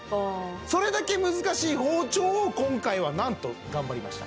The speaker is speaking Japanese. それだけ難しい包丁を今回はなんと頑張りました